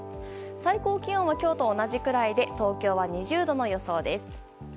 最高気温は今日と同じくらいで東京は２０度の予想です。